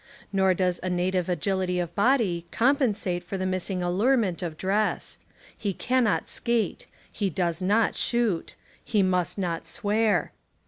Nor does a native agility of body compensate for the missing allurement of dress. He cannot skate. He does not shoot. He must not swear.